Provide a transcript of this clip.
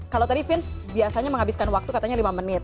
kalau tadi vince biasanya menghabiskan waktu katanya lima menit